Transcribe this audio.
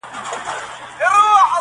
مُلا سړی سو په خپل وعظ کي نجلۍ ته ويل,